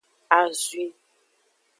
Azwi.